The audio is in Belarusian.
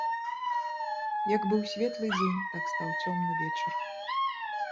Як быў светлы дзень, так стаў цёмны вечар.